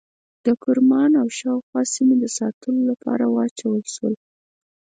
د کرمان او شاوخوا سیمو د ساتنې لپاره واچول شول.